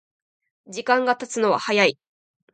時間がたつのは早い